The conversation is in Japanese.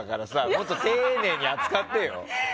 もっと丁寧に扱ってよ。